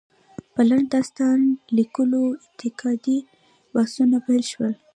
پر لنډ داستان ليکلو انتقادي بحثونه پيل شول.